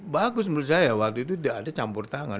bagus menurut saya waktu itu tidak ada campur tangan